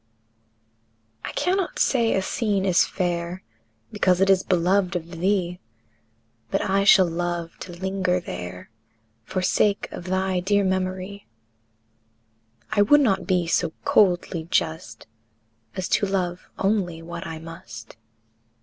I cannot say a scene is fair Because it is beloved of thee, But I shall love to linger there, For sake of thy dear memory; I would not be so coldly just As to love only what I must.